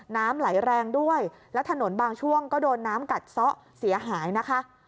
น้ำไหลแรงด้วยแล้วถนนบางช่วงก็โดนน้ำกัดซะเสียหายนะคะ